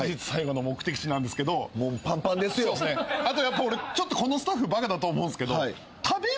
あとやっぱ俺ちょっとこのスタッフバカだと思うんすけど。